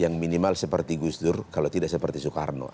yang minimal seperti gus dur kalau tidak seperti soekarno